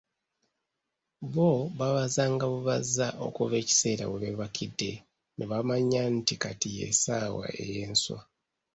Bo baabazanga bubaza okuva ekiseera webeebakidde nebamanya nti kati ye ssaawa ey'enswa.